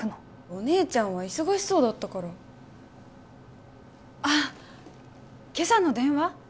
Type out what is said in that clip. お姉ちゃんは忙しそうだったからあっけさの電話？